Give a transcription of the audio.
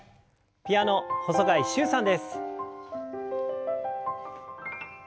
ピアノ細貝柊さんです。